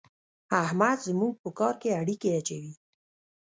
احمد زموږ په کار کې اړېکی اچوي.